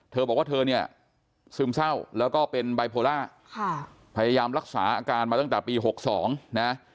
เธอบอกว่าเธอเนี่ยซึมเศร้าแล้วก็เป็นไบโพล่าพยายามรักษาอาการมาตั้งแต่ปี๖๒นะ